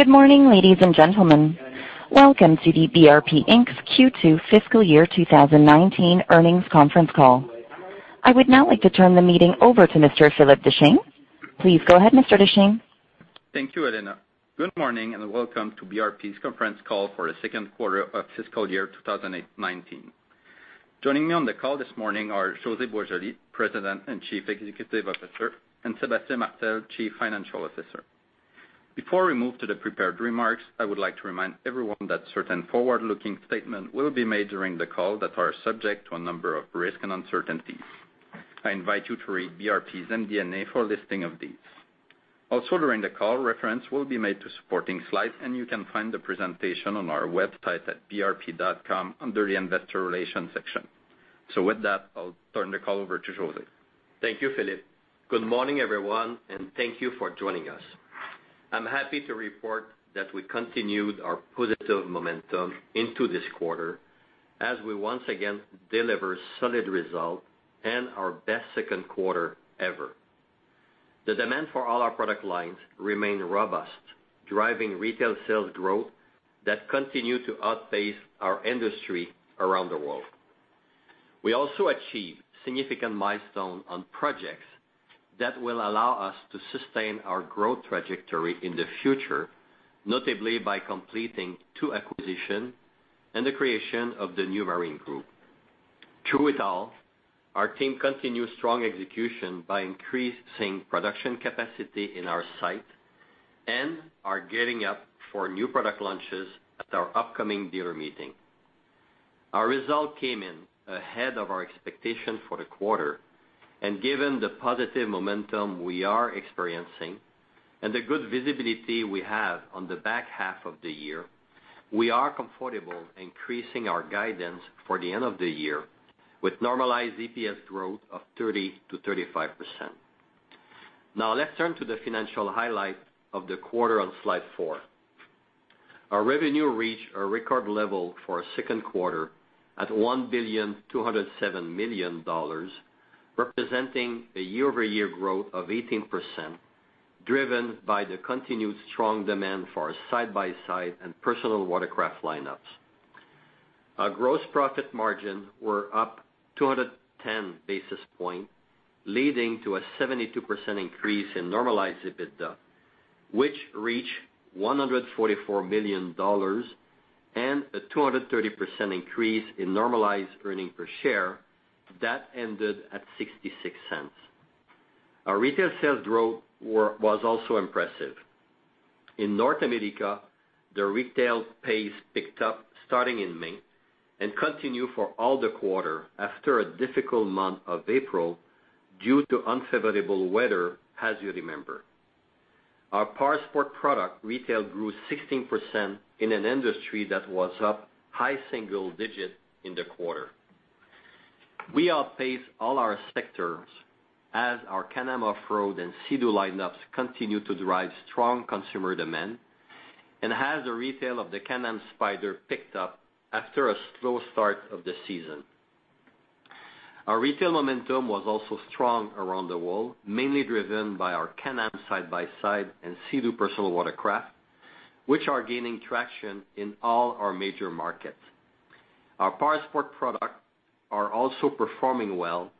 Good morning, ladies and gentlemen. Welcome to the BRP Inc.'s Q2 fiscal year 2019 earnings conference call. I would now like to turn the meeting over to Mr. Philippe Deschênes. Please go ahead, Mr. Deschênes. Thank you, Elena. Good morning, and welcome to BRP's conference call for the second quarter of fiscal year 2019. Joining me on the call this morning are José Boisjoli, President and Chief Executive Officer, and Sébastien Martel, Chief Financial Officer. Before we move to the prepared remarks, I would like to remind everyone that certain forward-looking statements will be made during the call that are subject to a number of risks and uncertainties. I invite you to read BRP's MD&A for a listing of these. During the call, references will be made to supporting slides, and you can find the presentation on our website at brp.com under the investor relations section. With that, I'll turn the call over to José. Thank you, Philippe. Good morning, everyone, thank you for joining us. I'm happy to report that we continued our positive momentum into this quarter as we once again deliver solid results and our best second quarter ever. The demand for all our product lines remained robust, driving retail sales growth that continued to outpace our industry around the world. We also achieved significant milestones on projects that will allow us to sustain our growth trajectory in the future, notably by completing two acquisitions and the creation of the new Marine Group. Through it all, our team continued strong execution by increasing production capacity in our site and are gearing up for new product launches at our upcoming dealer meeting. Our results came in ahead of our expectation for the quarter, given the positive momentum we are experiencing and the good visibility we have on the back half of the year, we are comfortable increasing our guidance for the end of the year with normalized EPS growth of 30%-35%. Let's turn to the financial highlights of the quarter on slide four. Our revenue reached a record level for a second quarter at 1.207 billion, representing a year-over-year growth of 18%, driven by the continued strong demand for our Side-by-Side and personal watercraft lineups. Our gross profit margins were up 210 basis points, leading to a 72% increase in normalized EBITDA, which reached 144 million dollars and a 230% increase in normalized EPS that ended at 0.66. Our retail sales growth was also impressive. In North America, the retail pace picked up starting in May and continued for all the quarter after a difficult month of April due to unfavorable weather, as you remember. Our Powersport product retail grew 16% in an industry that was up high single digits in the quarter. We outpaced all our sectors as our Can-Am Off-Road and Sea-Doo lineups continued to drive strong consumer demand and as the retail of the Can-Am Spyder picked up after a slow start of the season. Our retail momentum was also strong around the world, mainly driven by our Can-Am Side-by-Side and Sea-Doo personal watercraft, which are gaining traction in all our major markets. Our Powersport products are also performing well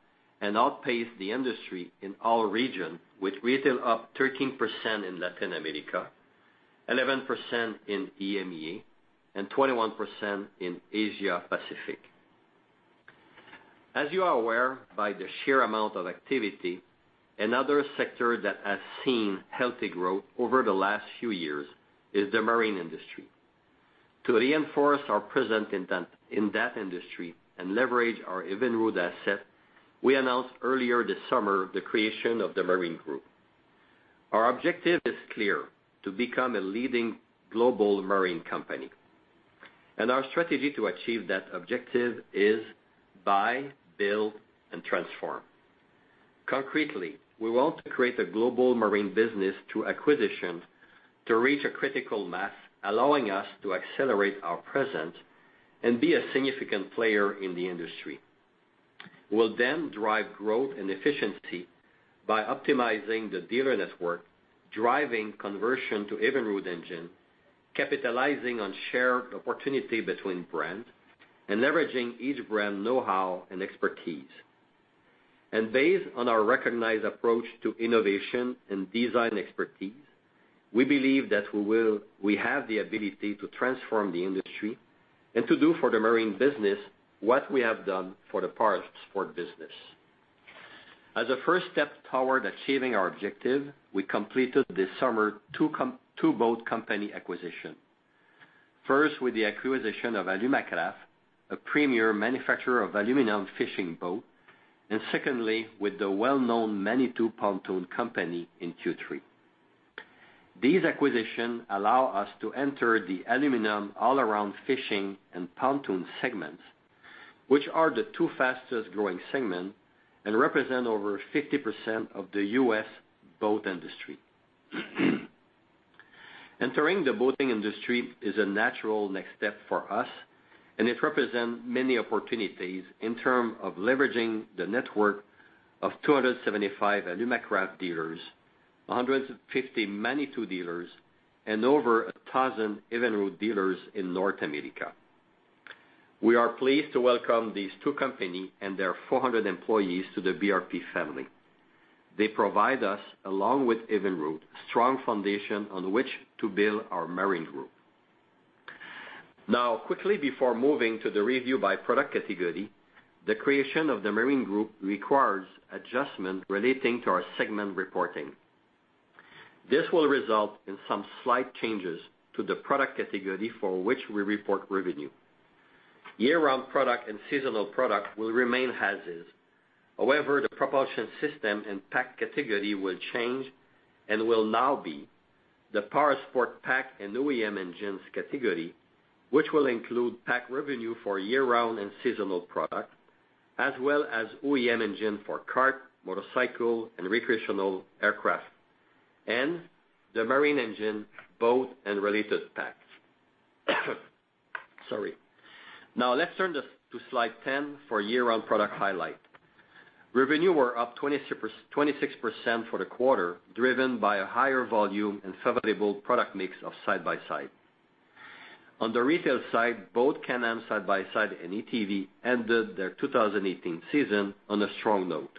and outpaced the industry in all regions, with retail up 13% in Latin America, 11% in EMEA, and 21% in Asia Pacific. As you are aware by the sheer amount of activity, another sector that has seen healthy growth over the last few years is the marine industry. To reinforce our presence in that industry and leverage our Evinrude asset, we announced earlier this summer the creation of the Marine Group. Our objective is clear: to become a leading global marine company. Our strategy to achieve that objective is Buy, Build, and Transform. Concretely, we want to create a global marine business through acquisition to reach a critical mass, allowing us to accelerate our presence and be a significant player in the industry. We'll then drive growth and efficiency by optimizing the dealer network, driving conversion to Evinrude engines, capitalizing on shared opportunities between brands, and leveraging each brand's know-how and expertise. Based on our recognized approach to innovation and design expertise, we believe that we have the ability to transform the industry and to do for the Marine business what we have done for the Powersport business. As a first step toward achieving our objective, we completed this summer 2 boat company acquisitions. First, with the acquisition of Alumacraft, a premier manufacturer of aluminum fishing boats, and secondly, with the well-known Manitou Pontoon Company in Q3. These acquisitions allow us to enter the aluminum all-around fishing and pontoon segments, which are the 2 fastest-growing segments and represent over 50% of the U.S. boat industry. Entering the boating industry is a natural next step for us, and it represents many opportunities in terms of leveraging the network of 275 Alumacraft dealers, 150 Manitou dealers, and over 1,000 Evinrude dealers in North America. We are pleased to welcome these 2 companies and their 400 employees to the BRP family. They provide us, along with Evinrude, strong foundation on which to build our Marine Group. Now, quickly before moving to the review by product category, the creation of the Marine Group requires adjustment relating to our segment reporting. This will result in some slight changes to the product category for which we report revenue. Year-round product and seasonal product will remain as is. However, the propulsion system and pack category will change and will now be the Powersport pack and OEM engines category, which will include pack revenue for year-round and seasonal product, as well as OEM engine for kart, motorcycle, and recreational aircraft, and the marine engine, boat, and related packs. Sorry. Now let's turn to slide 10 for year-round product highlight. Revenue were up 26% for the quarter, driven by a higher volume and favorable product mix of Side-by-Side. On the retail side, both Can-Am Side-by-Side and ATV ended their 2018 season on a strong note.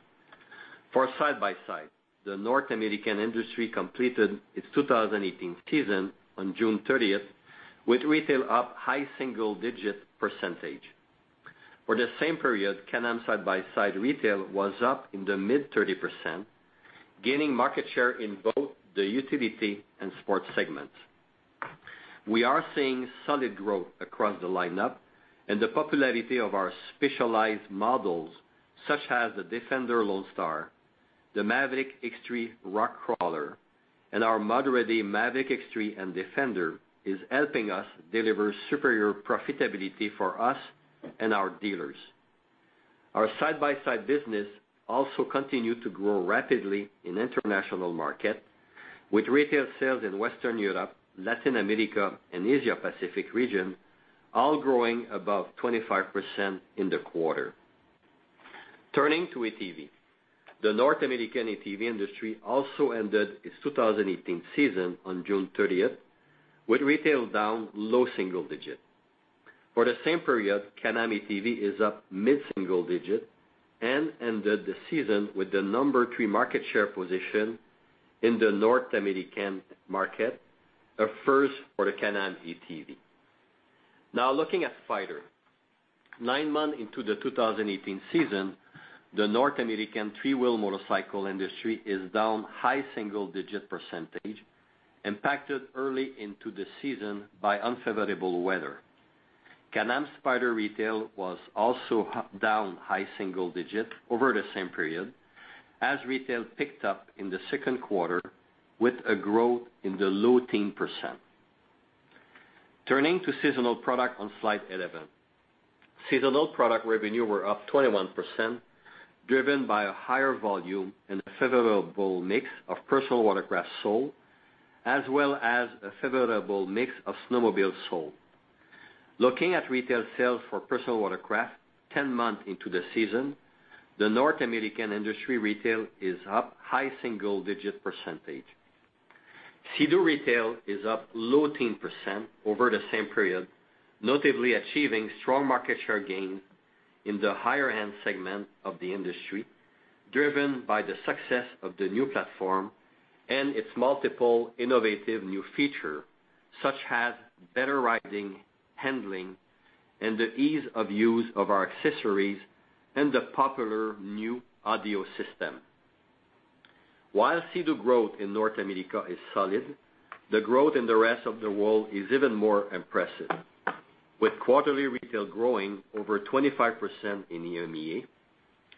For Side-by-Side, the North American industry completed its 2018 season on June 30th, with retail up high single-digit %. For the same period, Can-Am Side-by-Side retail was up in the mid 30%, gaining market share in both the utility and sports segments. We are seeing solid growth across the lineup and the popularity of our specialized models, such as the Defender Lone Star, the Maverick X3 X rc, and our mod-ready Maverick X3 and Defender, is helping us deliver superior profitability for us and our dealers. Our Side-by-Side business also continued to grow rapidly in international market with retail sales in Western Europe, Latin America, and Asia Pacific region all growing above 25% in the quarter. Turning to ATV. The North American ATV industry also ended its 2018 season on June 30th, with retail down low single-digit. For the same period, Can-Am ATV is up mid-single-digit and ended the season with the number 3 market share position in the North American market, a first for the Can-Am ATV. Now looking at Spyder. Nine months into the 2018 season, the North American three-wheel motorcycle industry is down high single-digit %, impacted early into the season by unfavorable weather. Can-Am Spyder retail was also down high single-digit over the same period, as retail picked up in the second quarter with a growth in the low teen %. Turning to seasonal product on slide 11. Seasonal product revenue were up 21%, driven by a higher volume and a favorable mix of personal watercraft sold, as well as a favorable mix of snowmobile sold. Looking at retail sales for personal watercraft, 10 months into the season, the North American industry retail is up high single-digit %. Sea-Doo retail is up low teen % over the same period, notably achieving strong market share gains in the higher-end segment of the industry, driven by the success of the new platform and its multiple innovative new feature, such as better riding, handling, and the ease of use of our accessories and the popular new audio system. While Sea-Doo growth in North America is solid, the growth in the rest of the world is even more impressive, with quarterly retail growing over 25% in EMEA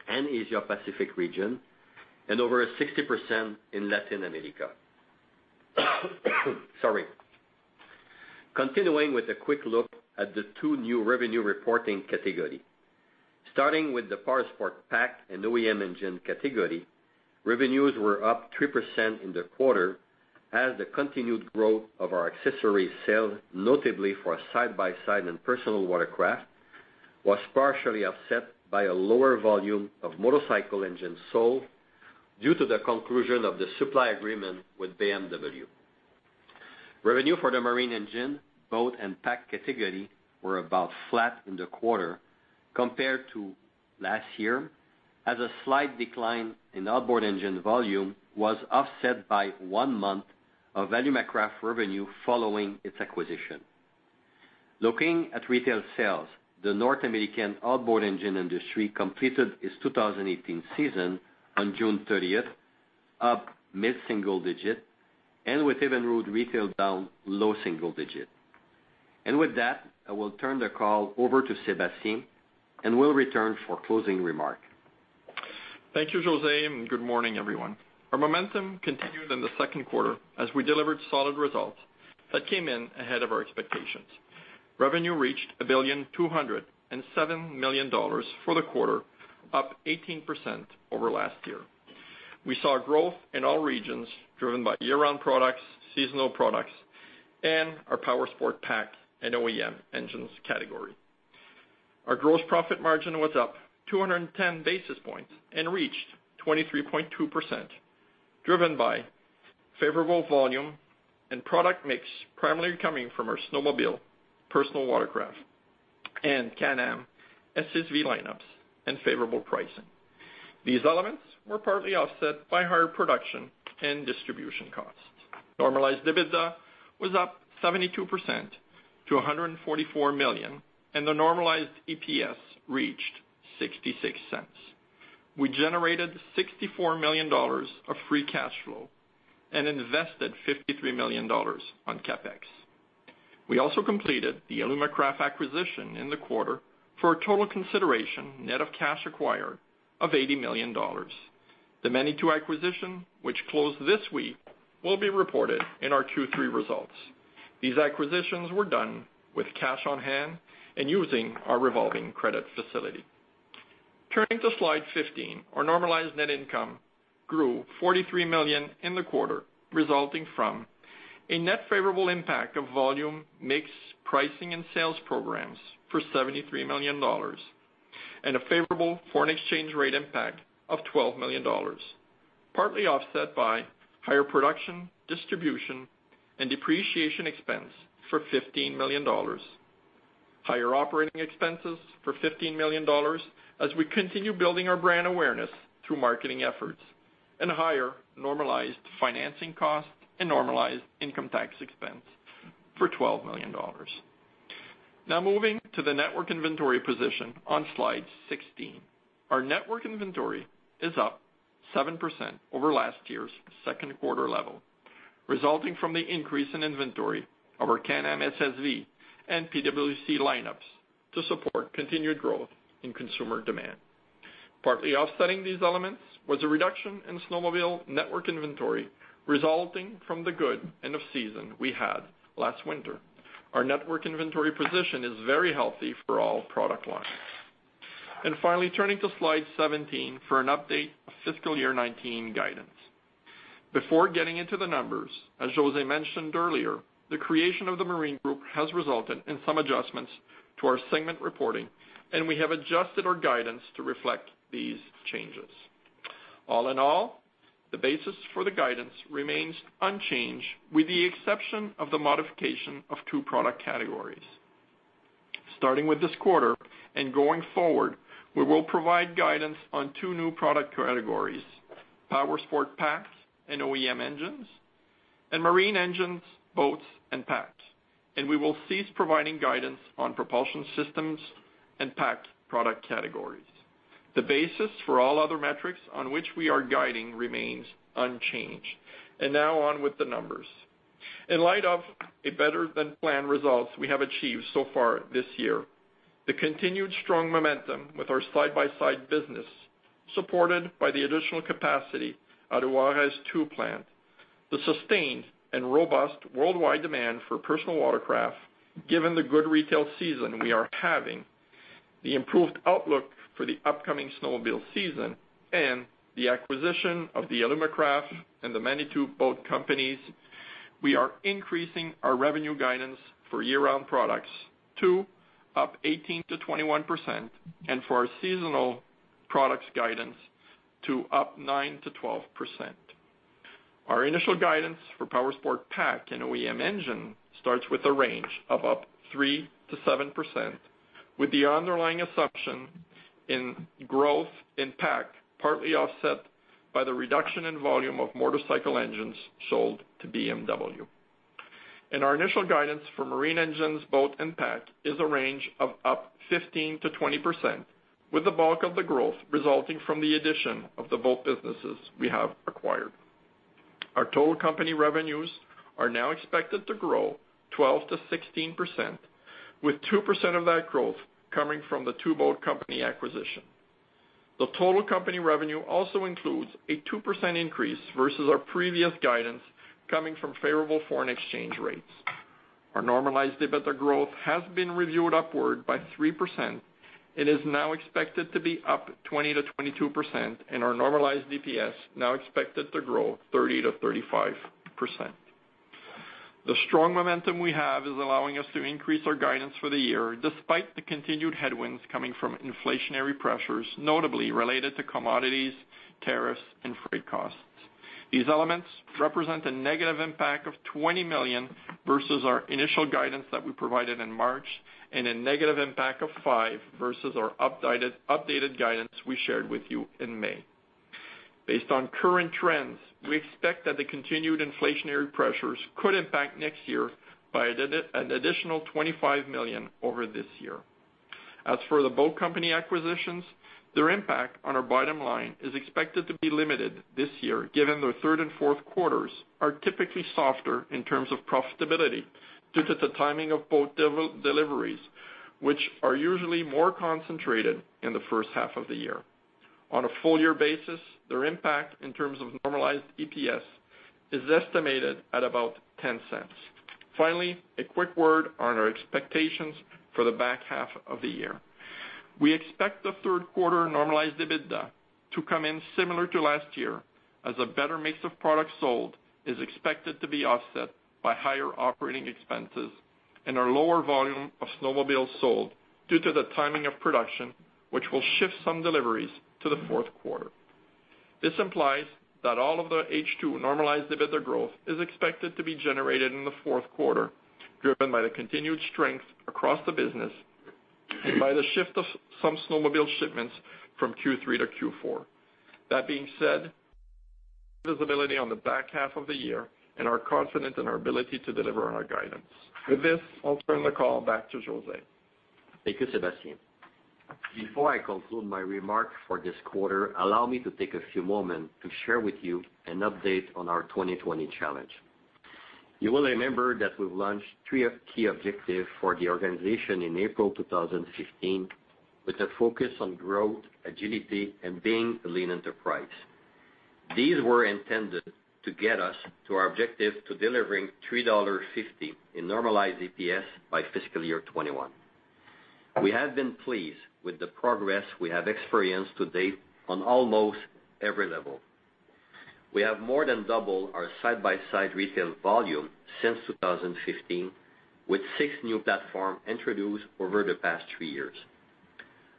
and Asia Pacific region and over 60% in Latin America. Sorry. Continuing with a quick look at the two new revenue reporting category. Starting with the powersport pack and OEM engine category, revenues were up 3% in the quarter as the continued growth of our accessories sales, notably for Side-by-Side and personal watercraft, was partially offset by a lower volume of motorcycle engines sold due to the conclusion of the supply agreement with BMW. Revenue for the marine engine, boat, and pack category were about flat in the quarter compared to last year, as a slight decline in outboard engine volume was offset by one month of Alumacraft revenue following its acquisition. Looking at retail sales, the North American outboard engine industry completed its 2018 season on June 30th, up mid-single-digit and with Evinrude retail down low single-digit. With that, I will turn the call over to Sébastien and will return for closing remark. Thank you, José, and good morning, everyone. Our momentum continued in the second quarter as we delivered solid results that came in ahead of our expectations. Revenue reached 1.207 billion for the quarter, up 18% over last year. We saw growth in all regions driven by year-round products, seasonal products, and our powersport pack and OEM engines category. Our gross profit margin was up 210 basis points and reached 23.2%, driven by favorable volume and product mix, primarily coming from our snowmobile, personal watercraft, and Can-Am SSV lineups and favorable pricing. These elements were partly offset by higher production and distribution costs. Normalized EBITDA was up 72% to 144 million, and the normalized EPS reached 0.66. We generated 64 million dollars of free cash flow and invested 53 million dollars on CapEx. We also completed the Alumacraft acquisition in the quarter for a total consideration net of cash acquired of CAD 80 million. The Manitou acquisition, which closed this week, will be reported in our Q3 results. These acquisitions were done with cash on hand and using our revolving credit facility. Turning to slide 15, our normalized net income grew 43 million in the quarter, resulting from a net favorable impact of volume mix pricing and sales programs for 73 million dollars and a favorable foreign exchange rate impact of 12 million dollars, partly offset by higher production, distribution, and depreciation expense for 15 million dollars. Higher operating expenses for 15 million dollars as we continue building our brand awareness through marketing efforts and higher normalized financing costs and normalized income tax expense for 12 million dollars. Now moving to the network inventory position on slide 16. Our network inventory is up 7% over last year's second quarter level, resulting from the increase in inventory of our Can-Am SSV and PWC lineups to support continued growth in consumer demand. Partly offsetting these elements was a reduction in snowmobile network inventory, resulting from the good end of season we had last winter. Our network inventory position is very healthy for all product lines. Finally, turning to slide 17 for an update of fiscal year 2019 guidance. Before getting into the numbers, as José mentioned earlier, the creation of the Marine Group has resulted in some adjustments to our segment reporting, and we have adjusted our guidance to reflect these changes. All in all, the basis for the guidance remains unchanged with the exception of the modification of two product categories. Starting with this quarter and going forward, we will provide guidance on two new product categories, powersport packed and OEM engines, and marine engines, boats, and packed. We will cease providing guidance on propulsion systems and packed product categories. The basis for all other metrics on which we are guiding remains unchanged. Now on with the numbers. In light of better-than-planned results we have achieved so far this year, the continued strong momentum with our Side-by-Side business, supported by the additional capacity at Juarez 2 plant, the sustained and robust worldwide demand for personal watercraft, given the good retail season we are having, the improved outlook for the upcoming snowmobile season, and the acquisition of the Alumacraft and the Manitou boat companies, we are increasing our revenue guidance for year-round products to up 18%-21% and for our seasonal products guidance to up 9%-12%. Our initial guidance for powersport pack and OEM engine starts with a range of up 3%-7%, with the underlying assumption in growth in pack partly offset by the reduction in volume of motorcycle engines sold to BMW. Our initial guidance for marine engines, boat, and pack is a range of up 15%-20%, with the bulk of the growth resulting from the addition of the boat businesses we have acquired. Our total company revenues are now expected to grow 12%-16%, with 2% of that growth coming from the two boat company acquisition. The total company revenue also includes a 2% increase versus our previous guidance coming from favorable foreign exchange rates. Our normalized EBITDA growth has been reviewed upward by 3%. It is now expected to be up 20%-22%, and our normalized EPS now expected to grow 30%-35%. The strong momentum we have is allowing us to increase our guidance for the year, despite the continued headwinds coming from inflationary pressures, notably related to commodities, tariffs, and freight costs. These elements represent a negative impact of 20 million versus our initial guidance that we provided in March and a negative impact of 5 million versus our updated guidance we shared with you in May. Based on current trends, we expect that the continued inflationary pressures could impact next year by an additional 25 million over this year. As for the boat company acquisitions, their impact on our bottom line is expected to be limited this year given the third and fourth quarters are typically softer in terms of profitability due to the timing of boat deliveries, which are usually more concentrated in the first half of the year. On a full year basis, their impact in terms of normalized EPS is estimated at about 0.10. Finally, a quick word on our expectations for the back half of the year. We expect the third quarter normalized EBITDA to come in similar to last year, as a better mix of products sold is expected to be offset by higher operating expenses and a lower volume of snowmobiles sold due to the timing of production, which will shift some deliveries to the fourth quarter. This implies that all of the H2 normalized EBITDA growth is expected to be generated in the fourth quarter, driven by the continued strength across the business and by the shift of some snowmobile shipments from Q3 to Q4. That being said, we have visibility on the back half of the year and are confident in our ability to deliver on our guidance. With this, I'll turn the call back to José. Thank you, Sébastien. Before I conclude my remarks for this quarter, allow me to take a few moments to share with you an update on our Challenge 2020. You will remember that we launched three key objectives for the organization in April 2015, with a focus on growth, agility, and being a lean enterprise. These were intended to get us to our objective to delivering 3.50 dollar in normalized EPS by fiscal year 2021. We have been pleased with the progress we have experienced to date on almost every level. We have more than doubled our side-by-side retail volume since 2015, with six new platforms introduced over the past three years.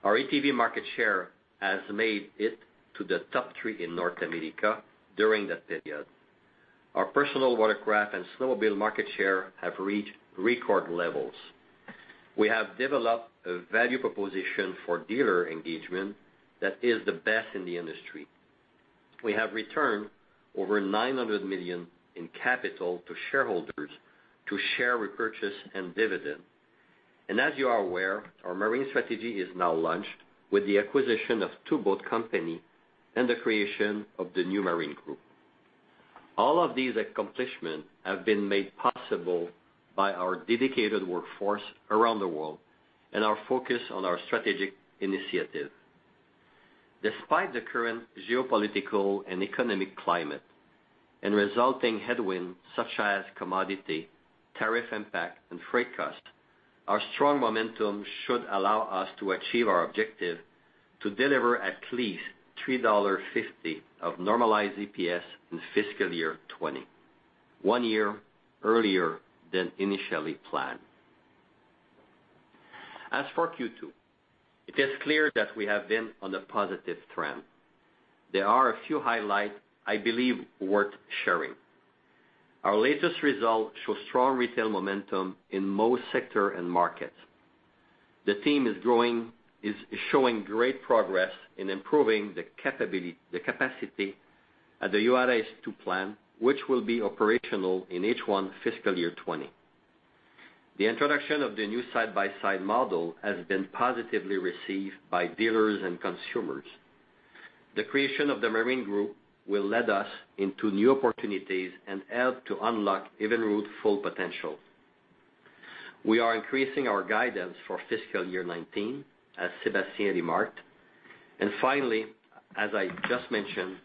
Our ATV market share has made it to the top three in North America during that period. Our personal watercraft and snowmobile market share have reached record levels. We have developed a value proposition for dealer engagement that is the best in the industry. We have returned over 900 million in capital to shareholders to share repurchase and dividends. As you are aware, our marine strategy is now launched with the acquisition of two boat companies and the creation of the new Marine Group. All of these accomplishments have been made possible by our dedicated workforce around the world and our focus on our strategic initiatives. Despite the current geopolitical and economic climate and resulting headwinds such as commodity, tariff impact, and freight cost, our strong momentum should allow us to achieve our objective to deliver at least 3.50 dollar of normalized EPS in fiscal year 2020, one year earlier than initially planned. As for Q2, it is clear that we have been on a positive trend. There are a few highlights I believe worth sharing. Our latest results show strong retail momentum in most sectors and markets. The team is showing great progress in improving the capacity at the Valcourt plant, which will be operational in H1 fiscal year 2020. The introduction of the new side-by-side model has been positively received by dealers and consumers. The creation of the Marine Group will lead us into new opportunities and help to unlock Evinrude's full potential. We are increasing our guidance for fiscal year 2019, as Sébastien remarked. Finally, as I just mentioned,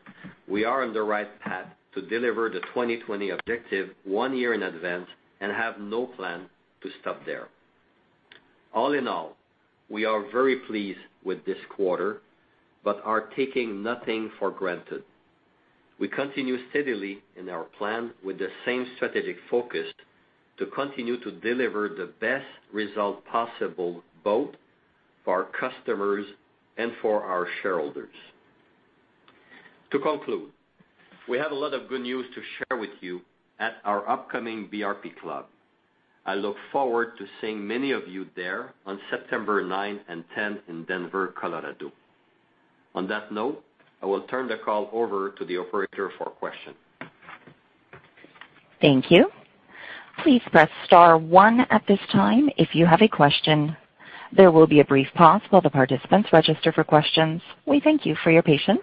we are on the right path to deliver the 2020 objective one year in advance and have no plan to stop there. All in all, we are very pleased with this quarter, but are taking nothing for granted. We continue steadily in our plan with the same strategic focus to continue to deliver the best result possible, both for our customers and for our shareholders. To conclude, we have a lot of good news to share with you at our upcoming Club BRP. I look forward to seeing many of you there on September ninth and tenth in Denver, Colorado. On that note, I will turn the call over to the operator for questions. Thank you. Please press star one at this time if you have a question. There will be a brief pause while the participants register for questions. We thank you for your patience.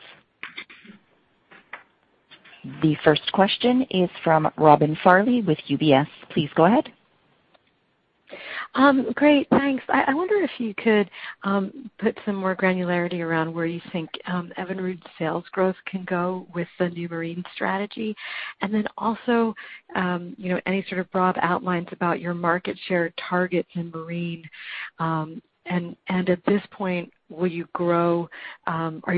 The first question is from Robin Farley with UBS. Please go ahead. Great. Thanks. I wonder if you could put some more granularity around where you think Evinrude sales growth can go with the new marine strategy. Also, any sort of broad outlines about your market share targets in marine. At this point, are you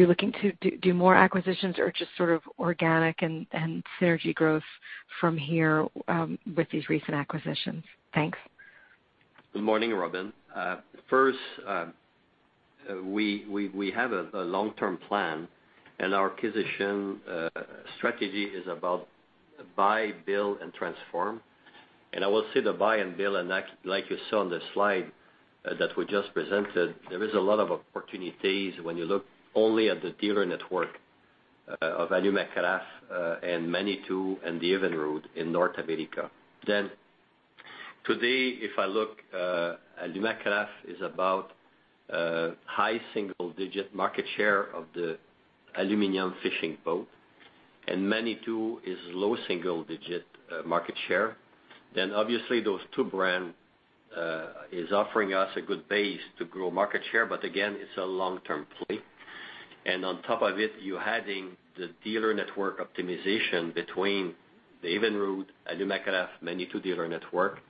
looking to do more acquisitions or just sort of organic and synergy growth from here with these recent acquisitions? Thanks. Good morning, Robin. First, we have a long-term plan. Our acquisition strategy is about Buy, Build, Transform. I will say the buy and build, and like you saw on the slide that we just presented, there is a lot of opportunities when you look only at the dealer network of Alumacraft and Manitou and the Evinrude in North America. Today, if I look, Alumacraft is about high single-digit market share of the aluminum fishing boat, and Manitou is low single-digit market share. Obviously those two brands are offering us a good base to grow market share, but again, it's a long-term play. On top of it, you're adding the dealer network optimization between the Evinrude, Alumacraft, Manitou dealer network,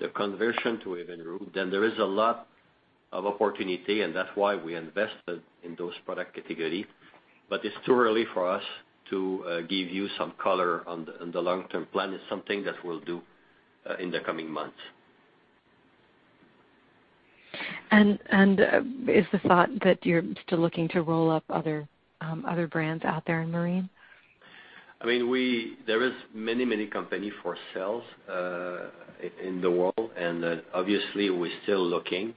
the conversion to Evinrude. There is a lot of opportunity, and that's why we invested in those product category. It's too early for us to give you some color on the long-term plan. It's something that we'll do in the coming months. Is the thought that you're still looking to roll up other brands out there in Marine? There is many company for sales in the world. Obviously, we're still looking.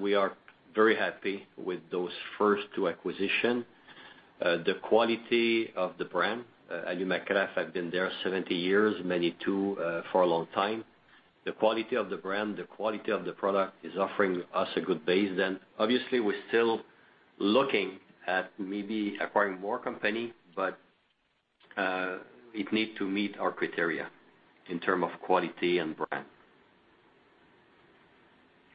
We are very happy with those first two acquisition. The quality of the brand, Alumacraft have been there 70 years, Manitou for a long time. The quality of the brand, the quality of the product is offering us a good base then. Obviously, we're still looking at maybe acquiring more company, but it need to meet our criteria in term of quality and brand.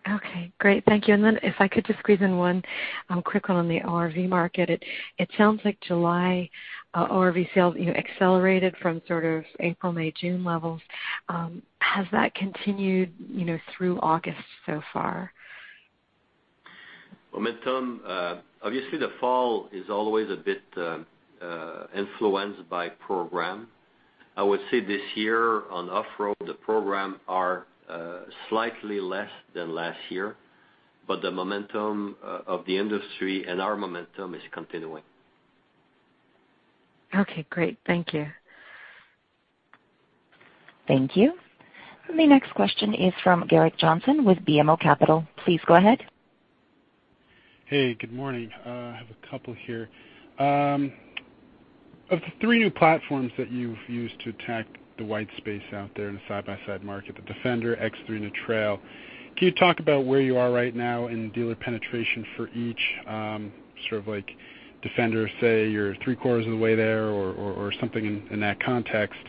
Okay, great. Thank you. Then if I could just squeeze in one quick one on the RV market. It sounds like July RV sales accelerated from sort of April, May, June levels. Has that continued through August so far? Momentum. Obviously, the fall is always a bit influenced by program. I would say this year on off-road, the program are slightly less than last year. The momentum of the industry and our momentum is continuing. Okay, great. Thank you. Thank you. Next question is from Gerrick Johnson with BMO Capital. Please go ahead. Hey, good morning. I have a couple here. Of the three new platforms that you've used to attack the white space out there in the Side-by-Side market, the Defender, X3, and the Trail, can you talk about where you are right now in dealer penetration for each, sort of like Defender, say, you're three quarters of the way there or something in that context?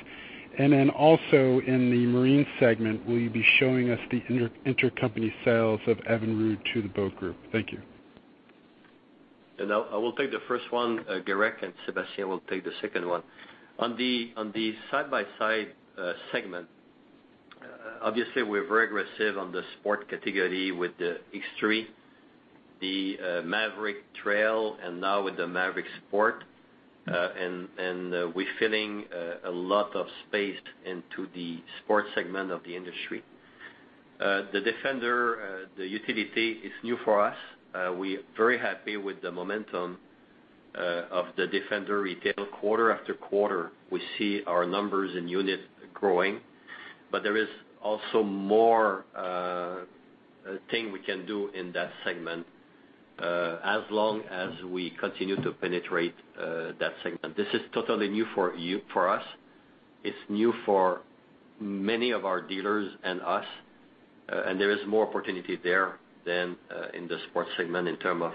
Then also in the Marine segment, will you be showing us the intercompany sales of Evinrude to the boat group? Thank you. I will take the first one, Gerrick, and Sébastien will take the second one. On the Side-by-Side segment, obviously we're very aggressive on the sport category with the X3, the Maverick Trail, and now with the Maverick Sport. We're filling a lot of space into the sports segment of the industry. The Defender, the utility is new for us. We are very happy with the momentum of the Defender retail quarter after quarter. We see our numbers in unit growing, but there is also more thing we can do in that segment, as long as we continue to penetrate that segment. This is totally new for us. It's new for many of our dealers and us, and there is more opportunity there than in the sports segment in term of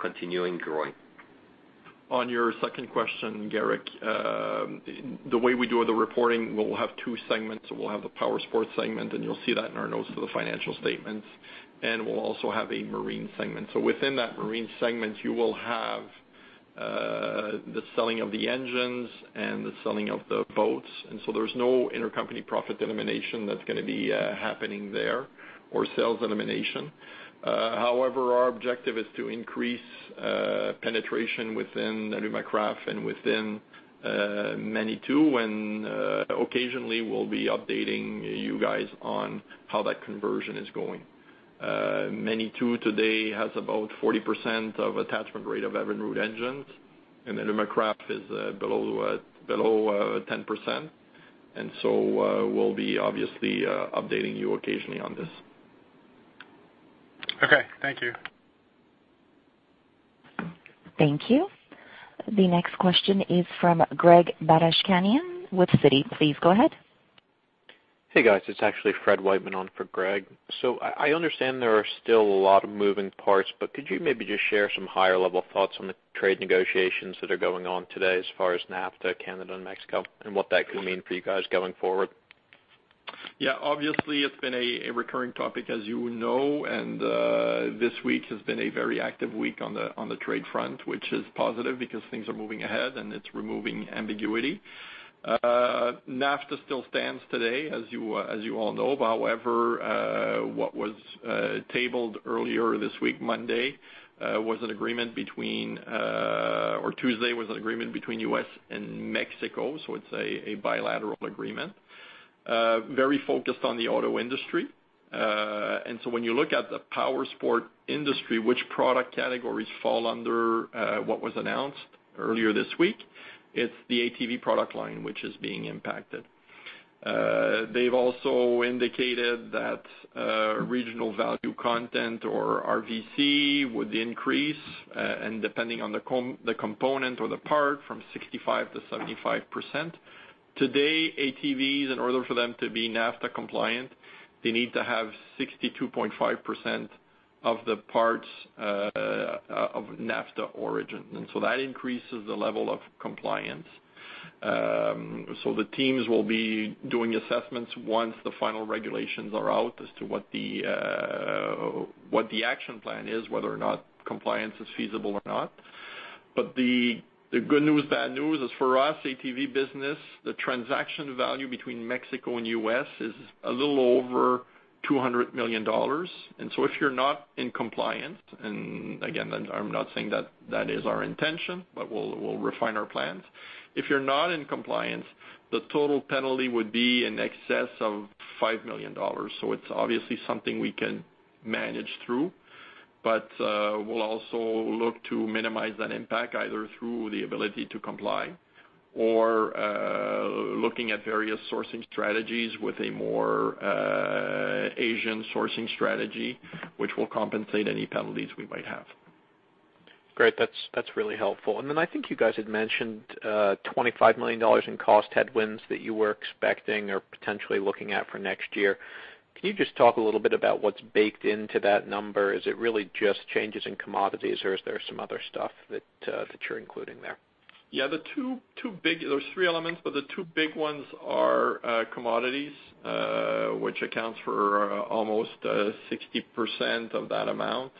continuing growing. On your second question, Gerrick, the way we do the reporting, we'll have two segments. We'll have the Powersport segment, and you'll see that in our notes to the financial statements, and we'll also have a Marine segment. Within that Marine segment, you will have the selling of the engines and the selling of the boats, and there's no intercompany profit elimination that's going to be happening there or sales elimination. However, our objective is to increase penetration within Alumacraft and within Manitou, and occasionally we'll be updating you guys on how that conversion is going. Manitou today has about 40% of attachment rate of Evinrude engines, and Alumacraft is below 10%. We'll be obviously updating you occasionally on this. Okay, thank you. Thank you. The next question is from Greg Badishkanian with Citi. Please go ahead. Hey, guys. It's actually Fred Wightman on for Greg. I understand there are still a lot of moving parts, but could you maybe just share some higher level thoughts on the trade negotiations that are going on today as far as NAFTA, Canada, and Mexico, and what that could mean for you guys going forward? Yeah, obviously, it's been a recurring topic, as you know. This week has been a very active week on the trade front, which is positive because things are moving ahead, and it's removing ambiguity. NAFTA still stands today, as you all know. However, what was tabled earlier this week, Monday, or Tuesday, was an agreement between U.S. and Mexico. It's a bilateral agreement, very focused on the auto industry. When you look at the Powersport industry, which product categories fall under what was announced earlier this week, it's the ATV product line which is being impacted. They've also indicated that regional value content or RVC would increase, and depending on the component or the part, from 65%-75%. Today, ATVs, in order for them to be NAFTA compliant, they need to have 62.5% of the parts of NAFTA origin. That increases the level of compliance. The teams will be doing assessments once the final regulations are out as to what the action plan is, whether or not compliance is feasible or not. But the good news, bad news is for us, ATV business, the transaction value between Mexico and U.S. is a little over 200 million dollars. If you're not in compliance, and again, I'm not saying that is our intention, but we'll refine our plans. If you're not in compliance, the total penalty would be in excess of 5 million dollars. It's obviously something we can manage through, but we'll also look to minimize that impact either through the ability to comply or looking at various sourcing strategies with a more Asian sourcing strategy, which will compensate any penalties we might have. Great. That's really helpful. I think you guys had mentioned 25 million dollars in cost headwinds that you were expecting or potentially looking at for next year. Can you just talk a little bit about what's baked into that number? Is it really just changes in commodities, or is there some other stuff that you're including there? Yeah, there's three elements. The two big ones are commodities, which accounts for almost 60% of that amount.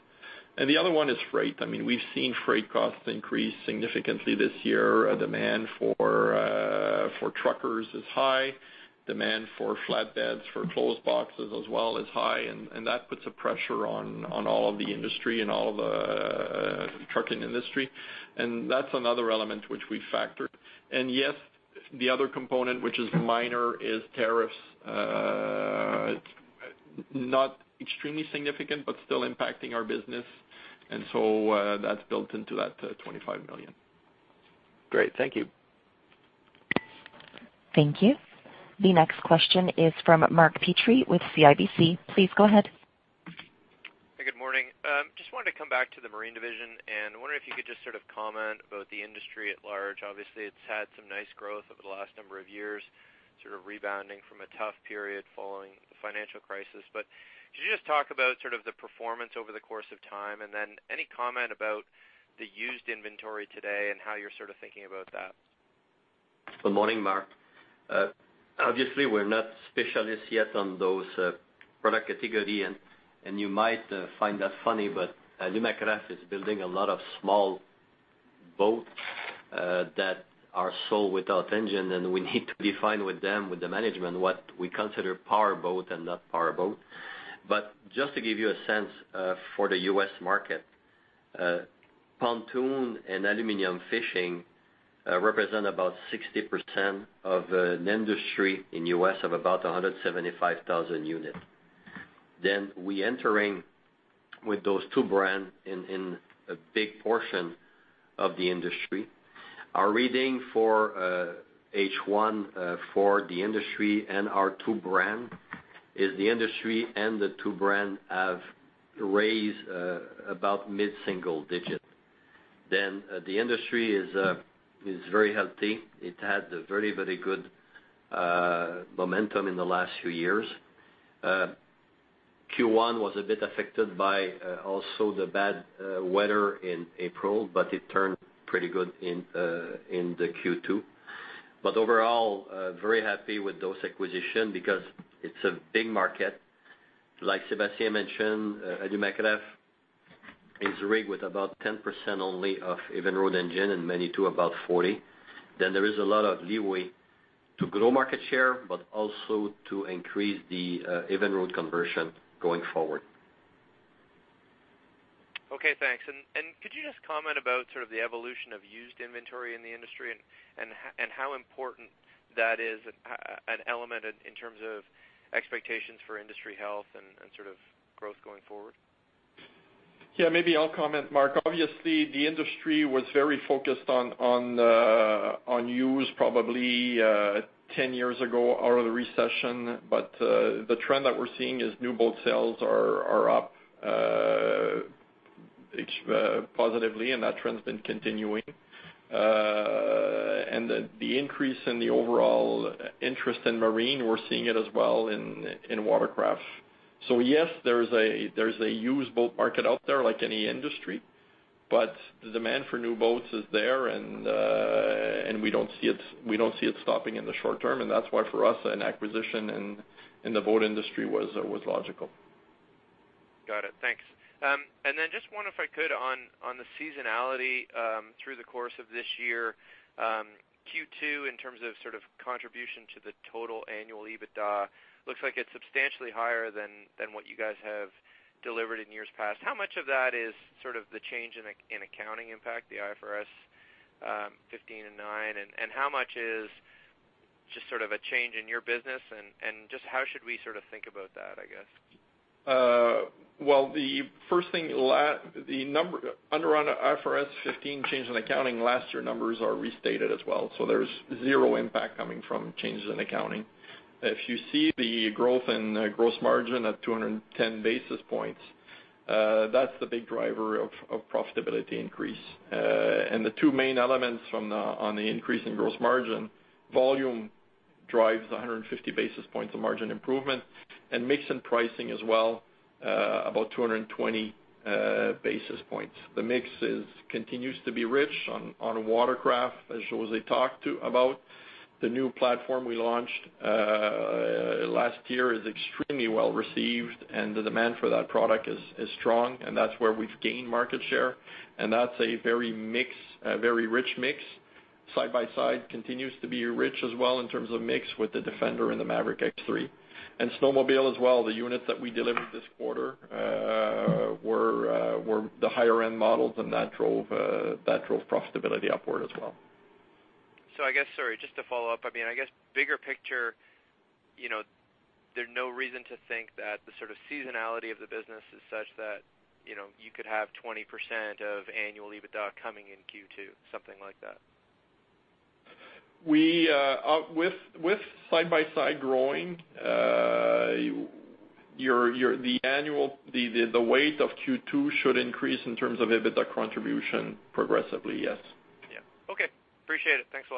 The other one is freight. We've seen freight costs increase significantly this year. Demand for truckers is high. Demand for flatbeds, for closed boxes as well is high, and that puts a pressure on all of the industry and all of the trucking industry. That's another element which we factored. Yes, the other component, which is minor, is tariffs, not extremely significant, but still impacting our business. That's built into that 25 million. Great. Thank you. Thank you. The next question is from Mark Petrie with CIBC. Please go ahead. Good morning. Wanted to come back to the Marine division, and I wonder if you could just sort of comment about the industry at large. Obviously, it's had some nice growth over the last number of years, sort of rebounding from a tough period following the financial crisis. Could you just talk about sort of the performance over the course of time, and then any comment about the used inventory today and how you're sort of thinking about that? Good morning, Mark. Obviously, we're not specialists yet on those product category, and you might find that funny, Alumacraft is building a lot of small boats that are sold without engine, and we need to be fine with them, with the management, what we consider power boat and not power boat. Just to give you a sense, for the U.S. market, pontoon and aluminum fishing represent about 60% of an industry in U.S. of about 175,000 units. We entering with those two brands in a big portion of the industry. Our reading for H1 for the industry and our two brands is the industry and the two brands have raised about mid-single digit. The industry is very healthy. It had a very good momentum in the last few years. Q1 was a bit affected by also the bad weather in April, but it turned pretty good in the Q2. Overall, very happy with those acquisition because it's a big market. Like Sébastien mentioned, Alumacraft is rigged with about 10% only of Evinrude engine and Manitou about 40%. There is a lot of leeway to grow market share, but also to increase the Evinrude conversion going forward. Okay, thanks. Could you just comment about sort of the evolution of used inventory in the industry and how important that is an element in terms of expectations for industry health and sort of growth going forward? Yeah, maybe I'll comment, Mark. Obviously, the industry was very focused on used probably 10 years ago out of the recession, the trend that we're seeing is new boat sales are up positively, and that trend's been continuing. The increase in the overall interest in Marine, we're seeing it as well in Watercraft. Yes, there's a used boat market out there like any industry, the demand for new boats is there and we don't see it stopping in the short term, that's why for us, an acquisition in the boat industry was logical. Got it. Thanks. Then just one, if I could, on the seasonality through the course of this year. Q2, in terms of sort of contribution to the total annual EBITDA, looks like it's substantially higher than what you guys have delivered in years past. How much of that is sort of the change in accounting impact, the IFRS 15 and IFRS 9? How much is just sort of a change in your business, just how should we sort of think about that, I guess? Well, the first thing, under IFRS 15 change in accounting, last year numbers are restated as well, so there's zero impact coming from changes in accounting. If you see the growth in gross margin at 210 basis points, that's the big driver of profitability increase. The two main elements on the increase in gross margin, volume drives 150 basis points of margin improvement and mix and pricing as well, about 220 basis points. The mix continues to be rich on watercraft. As José talked about, the new platform we launched last year is extremely well-received, and the demand for that product is strong, and that's where we've gained market share. That's a very rich mix. Side-by-Side continues to be rich as well in terms of mix with the Defender and the Maverick X3. Snowmobile as well. The units that we delivered this quarter were the higher-end models, and that drove profitability upward as well. I guess, sorry, just to follow up, I guess bigger picture, there's no reason to think that the sort of seasonality of the business is such that you could have 20% of annual EBITDA coming in Q2, something like that. With Side-by-Side growing, the weight of Q2 should increase in terms of EBITDA contribution progressively, yes. Yeah. Okay. Appreciate it. Thanks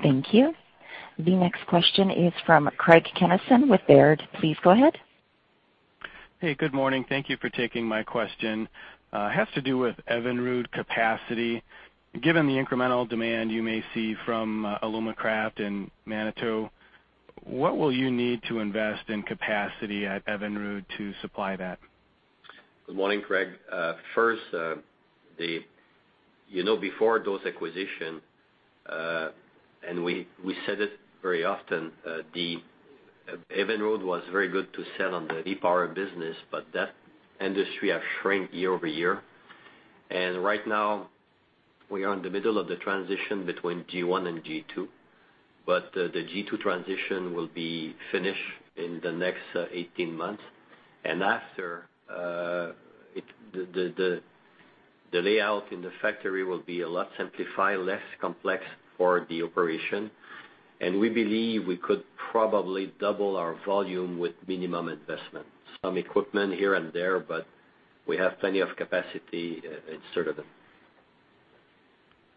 a lot. Thank you. The next question is from Craig Kennison with Baird. Please go ahead. Hey, good morning. Thank you for taking my question. It has to do with Evinrude capacity. Given the incremental demand you may see from Alumacraft and Manitou, what will you need to invest in capacity at Evinrude to supply that? Good morning, Craig. First, before those acquisition, and we said it very often, Evinrude was very good to sell on the repower business, but that industry has shrank year-over-year. Right now, we are in the middle of the transition between G1 and G2. The G2 transition will be finished in the next 18 months. After, the layout in the factory will be a lot simplified, less complex for the operation. We believe we could probably double our volume with minimum investment. Some equipment here and there, but we have plenty of capacity inserted in.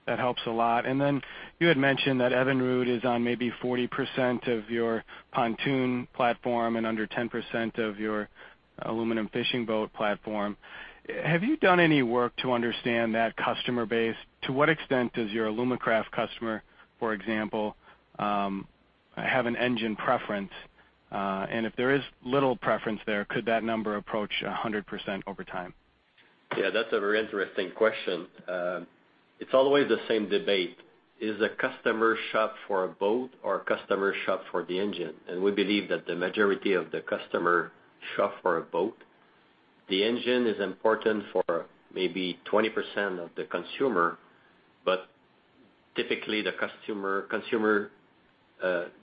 That helps a lot. Then you had mentioned that Evinrude is on maybe 40% of your pontoon platform and under 10% of your aluminum fishing boat platform. Have you done any work to understand that customer base? To what extent does your Alumacraft customer, for example, have an engine preference? If there is little preference there, could that number approach 100% over time? Yeah, that's a very interesting question. It's always the same debate. Is the customer shop for a boat or customer shop for the engine? We believe that the majority of the customer shop for a boat. The engine is important for maybe 20% of the consumer, typically the consumer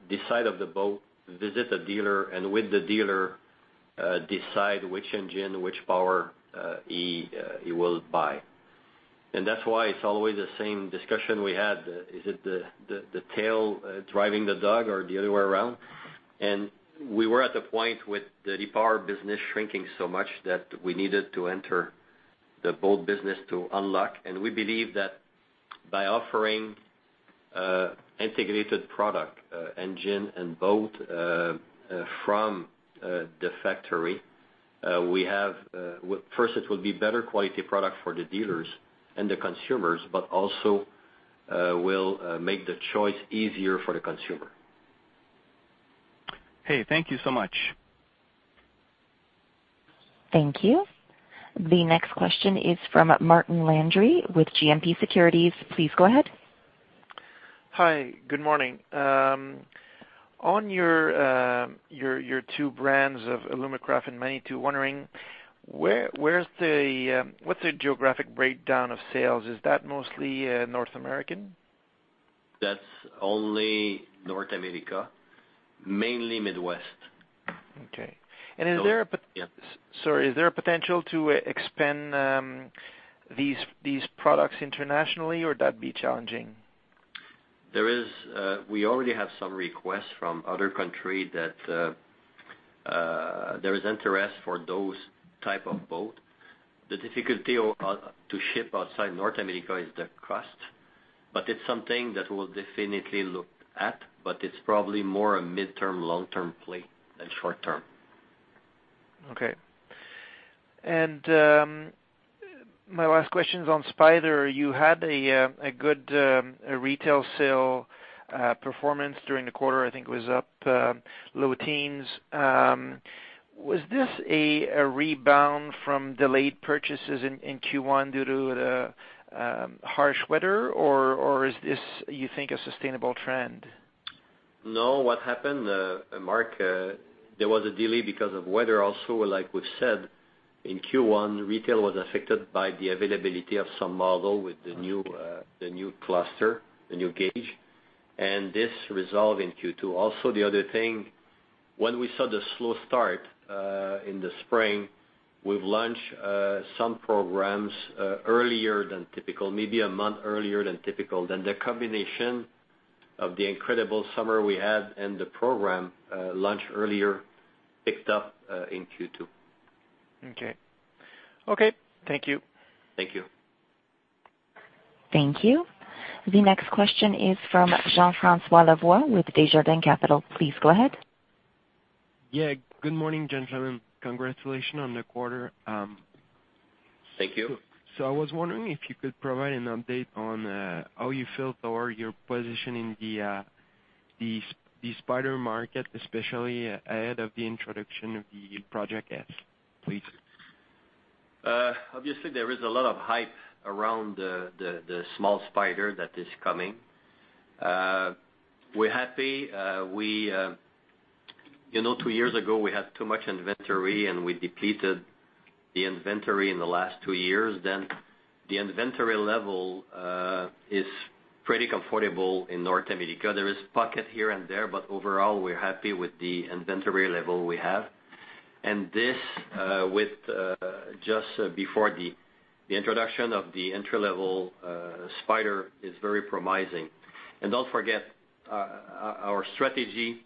decide of the boat, visit the dealer, and with the dealer, decide which engine, which power he will buy. That's why it's always the same discussion we had. Is it the tail driving the dog or the other way around? We were at the point with the repower business shrinking so much that we needed to enter the boat business to unlock. We believe that by offering integrated product, engine and boat, from the factory, first, it will be better quality product for the dealers and the consumers, also will make the choice easier for the consumer. Hey, thank you so much. Thank you. The next question is from Martin Landry with GMP Securities. Please go ahead. Hi. Good morning. On your two brands of Alumacraft and Manitou, wondering what is the geographic breakdown of sales? Is that mostly North American? That is only North America, mainly Midwest. Okay. Yeah. Sorry, is there a potential to expand these products internationally, or that'd be challenging? We already have some requests from other country that there is interest for those type of boat. The difficulty to ship outside North America is the cost, but it's something that we'll definitely look at, but it's probably more a midterm, long-term play than short term. Okay. My last question is on Spyder. You had a good retail sale performance during the quarter. I think it was up low teens. Was this a rebound from delayed purchases in Q1 due to the harsh weather, or is this, you think, a sustainable trend? No, what happened, Mark, there was a delay because of weather also, like we've said. In Q1, retail was affected by the availability of some model with the new cluster, the new gauge, and this resolved in Q2. The other thing, when we saw the slow start in the spring, we've launched some programs earlier than typical, maybe a month earlier than typical. The combination of the incredible summer we had and the program launch earlier picked up in Q2. Okay. Thank you. Thank you. Thank you. The next question is from Jean-François Lavoie with Desjardins Capital Markets. Please go ahead. Yeah. Good morning, gentlemen. Congratulations on the quarter. Thank you. I was wondering if you could provide an update on how you feel toward your position in the Spyder market, especially ahead of the introduction of the Project S, please. Obviously, there is a lot of hype around the small Spyder that is coming. We're happy. Two years ago, we had too much inventory, and we depleted the inventory in the last two years. The inventory level is pretty comfortable in North America. There is pocket here and there, but overall, we're happy with the inventory level we have. This, just before the introduction of the entry-level Spyder, is very promising. Don't forget our strategy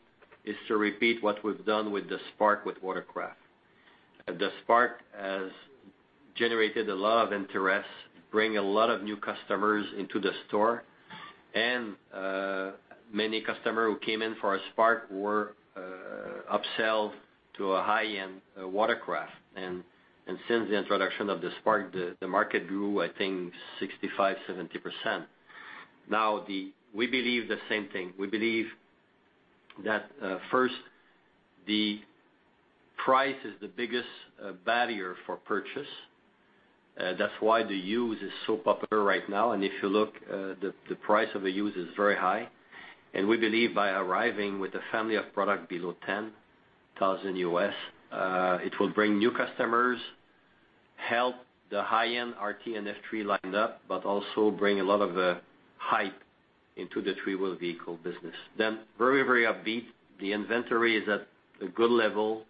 is to repeat what we've done with the Spark, with Watercraft. The Spark has generated a lot of interest, bring a lot of new customers into the store, and many customers who came in for a Spark were upsell to a high-end Watercraft. Since the introduction of the Spark, the market grew, I think 65%-70%. Now, we believe the same thing. We believe that first, the price is the biggest barrier for purchase. That's why the used is so popular right now. If you look, the price of a used is very high. We believe by arriving with a family of product below $10,000, it will bring new customers, help the high-end RT and F3 lineup, but also bring a lot of the hype into the three-wheel vehicle business. Very upbeat. The inventory is at a good level,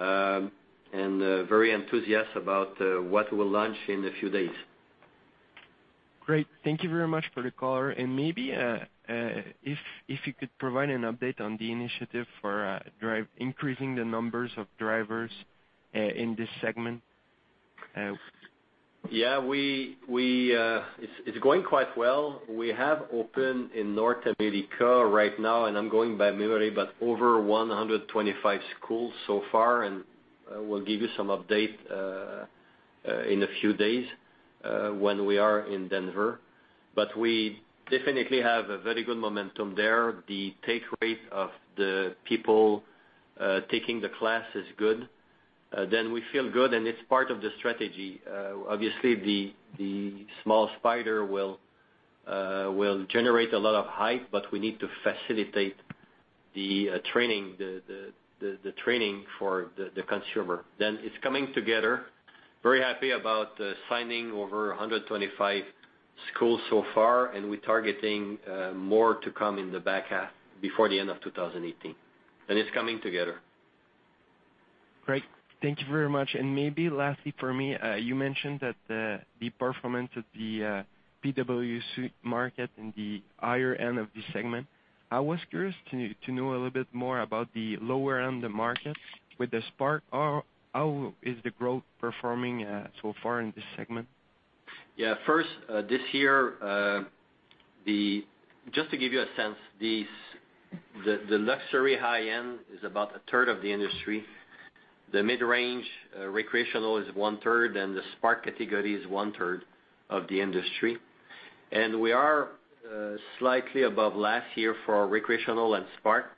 and very enthusiastic about what we'll launch in a few days. Great. Thank you very much for the color. Maybe if you could provide an update on the initiative for increasing the numbers of drivers in this segment. Yeah. It's going quite well. We have opened in North America right now, I'm going by memory, but over 125 schools so far, we'll give you some update in a few days when we are in Denver. We definitely have a very good momentum there. The take rate of the people taking the class is good. We feel good, and it's part of the strategy. Obviously, the small Spyder will generate a lot of hype, we need to facilitate the training for the consumer. It's coming together. Very happy about signing over 125 schools so far, and we're targeting more to come in the back half before the end of 2018. It's coming together. Great. Thank you very much. Maybe lastly for me, you mentioned that the performance of the PWC market in the higher end of the segment. I was curious to know a little bit more about the lower end of market with the Spark. How is the growth performing so far in this segment? Yeah. First, this year, just to give you a sense, the luxury high-end is about a third of the industry. The mid-range recreational is one-third, the Spark category is one-third of the industry. We are slightly above last year for recreational and Spark.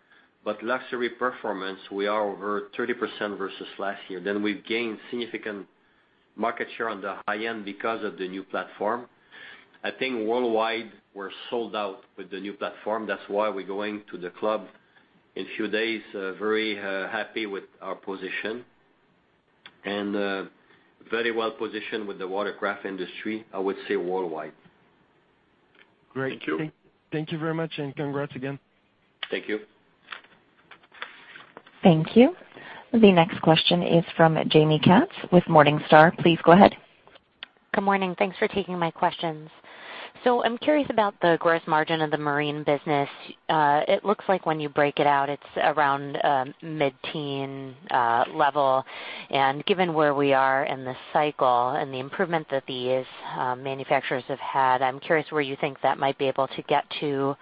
Luxury performance, we are over 30% versus last year. We've gained significant market share on the high end because of the new platform. I think worldwide, we're sold out with the new platform. That's why we're going to the Club in a few days, very happy with our position and very well-positioned with the Watercraft industry, I would say worldwide. Great. Thank you. Thank you very much, and congrats again. Thank you. Thank you. The next question is from Jaime Katz with Morningstar. Please go ahead. Good morning. Thanks for taking my questions. I'm curious about the gross margin of the marine business. It looks like when you break it out, it's around mid-teen level. Given where we are in this cycle and the improvement that these manufacturers have had, I'm curious where you think that might be able to get to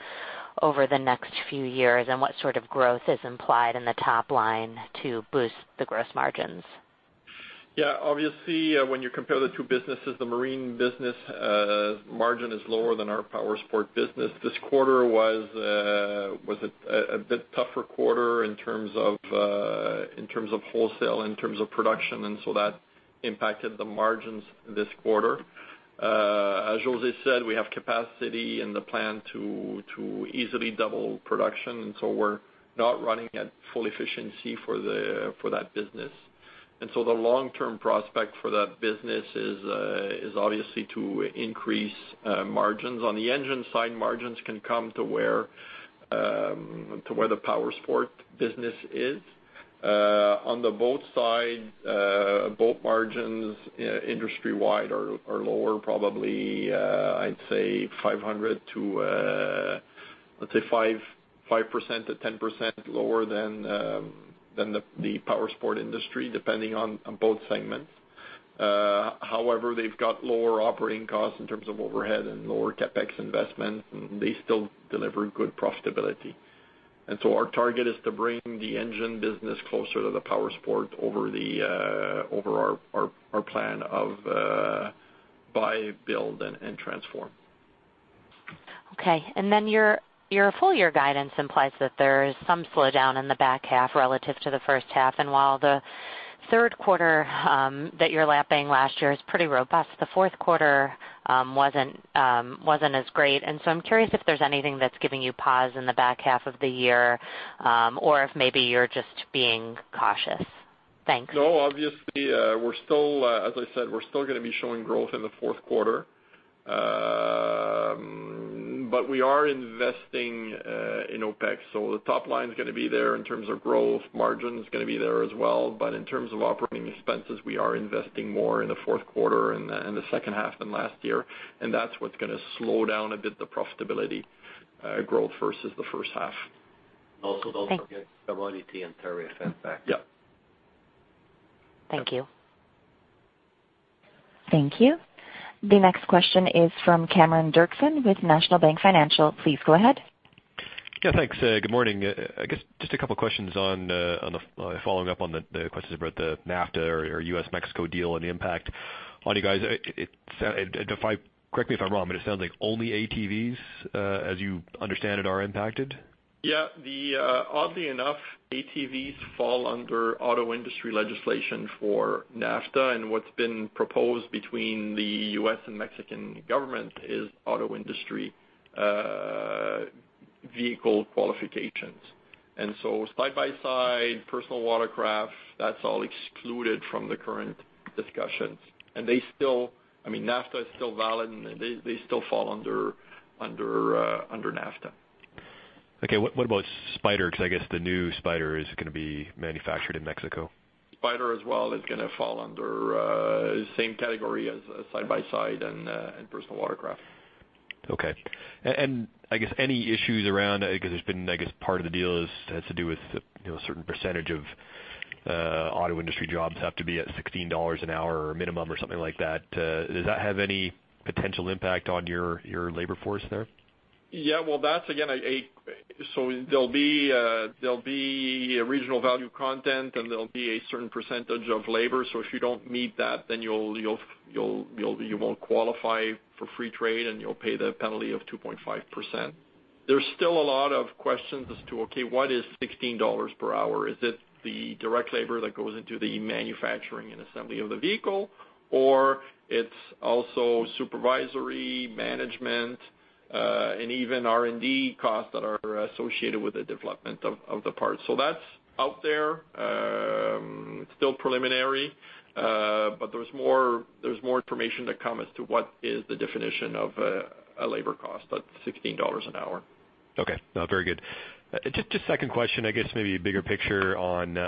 over the next few years and what sort of growth is implied in the top line to boost the gross margins. Yeah. Obviously, when you compare the two businesses, the marine business margin is lower than our Powersport business. This quarter was a bit tougher quarter in terms of wholesale, in terms of production, that impacted the margins this quarter. As José said, we have capacity and the plan to easily double production, we're not running at full efficiency for that business. The long-term prospect for that business is obviously to increase margins. On the engine side, margins can come to where the Powersport business is. On the boat side, boat margins industry-wide are lower, probably, I'd say, 5%-10% lower than the powersport industry, depending on both segments. However, they've got lower operating costs in terms of overhead and lower CapEx investment, and they still deliver good profitability. Our target is to bring the engine business closer to the powersport over our plan of Buy, Build, Transform. Okay. Your full year guidance implies that there is some slowdown in the back half relative to the first half. While the third quarter that you're lapping last year is pretty robust, the fourth quarter wasn't as great. I'm curious if there's anything that's giving you pause in the back half of the year, or if maybe you're just being cautious. Thanks. Obviously, as I said, we're still going to be showing growth in the fourth quarter. We are investing in OpEx, the top line's going to be there in terms of growth. Margin's going to be there as well. In terms of operating expenses, we are investing more in the fourth quarter and the second half than last year, that's what's going to slow down a bit the profitability growth versus the first half. Thanks. Also, don't forget commodity and tariff impact. Yep. Thank you. Thank you. The next question is from Cameron Doerksen with National Bank Financial. Please go ahead. Yeah, thanks. Good morning. I guess just a couple of questions on following up on the questions about the NAFTA or U.S.-Mexico deal and the impact on you guys. Correct me if I'm wrong, but it sounds like only ATVs, as you understand it, are impacted? Yeah. Oddly enough, ATVs fall under auto industry legislation for NAFTA, and what's been proposed between the U.S. and Mexican government is auto industry vehicle qualifications. Side-by-Side, personal watercraft, that's all excluded from the current discussions. NAFTA is still valid and they still fall under NAFTA. Okay. What about Spyder? Because I guess the new Spyder is going to be manufactured in Mexico. Spyder as well is going to fall under same category as Side-by-Side and personal watercraft. Okay. I guess any issues around, because part of the deal has to do with a certain percentage of auto industry jobs have to be at 16 dollars an hour minimum or something like that. Does that have any potential impact on your labor force there? Yeah. There'll be a regional value content and there'll be a certain percentage of labor. If you don't meet that, then you won't qualify for free trade and you'll pay the penalty of 2.5%. There's still a lot of questions as to, okay, what is 16 dollars per hour? Is it the direct labor that goes into the manufacturing and assembly of the vehicle? Or it's also supervisory management, and even R&D costs that are associated with the development of the parts. That's out there. It's still preliminary, but there's more information to come as to what is the definition of a labor cost at CAD 16 an hour. Okay. No, very good. Just second question, I guess maybe bigger picture on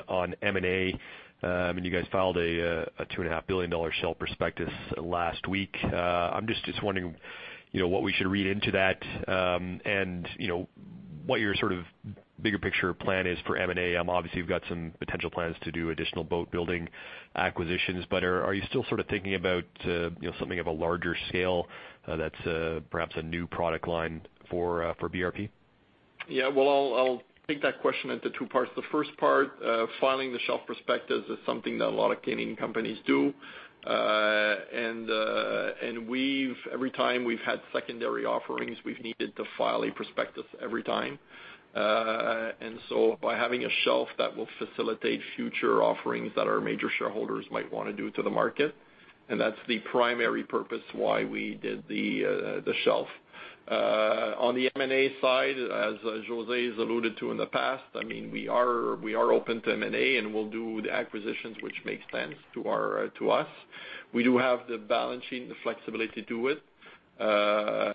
M&A. You guys filed a 2.5 billion dollar shelf prospectus last week. I'm just wondering what we should read into that, and what your sort of bigger picture plan is for M&A. Obviously, you've got some potential plans to do additional boat building acquisitions, but are you still sort of thinking about something of a larger scale that's perhaps a new product line for BRP? Yeah. Well, I'll take that question into two parts. The first part, filing the shelf prospectus is something that a lot of Canadian companies do. Every time we've had secondary offerings, we've needed to file a prospectus every time. By having a shelf that will facilitate future offerings that our major shareholders might want to do to the market, and that's the primary purpose why we did the shelf. On the M&A side, as José has alluded to in the past, we are open to M&A, and we'll do the acquisitions which makes sense to us. We do have the balance sheet and the flexibility to do it. That